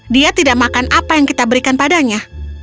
dia tidak makan apa yang kita berikan padanya